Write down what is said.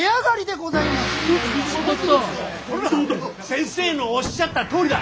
先生のおっしゃったとおりだ！